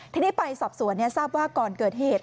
ทีนี้ไปสอบสวนทราบว่าก่อนเกิดเหตุ